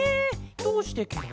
どうしてケロ？